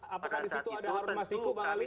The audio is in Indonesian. apakah disitu ada harun masyukur pak rally